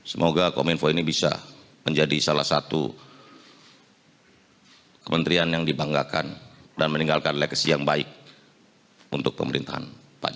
semoga kominfo ini bisa menjadi salah satu kementerian yang dibanggakan dan meninggalkan legacy yang baik untuk pemerintahan